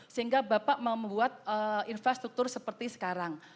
sehingga bapak membuat infrastruktur sebegini